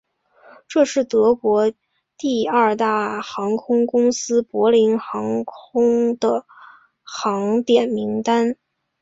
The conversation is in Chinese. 这是德国第二大航空公司柏林航空的航点名单。